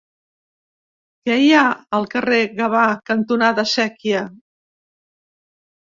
Què hi ha al carrer Gavà cantonada Sèquia?